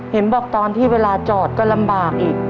เห็นบอกตอนที่เวลาจอดก็ลำบากอีก